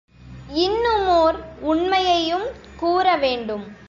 இன்னுமோர் உண்மையையும் கூறவேண்டும்.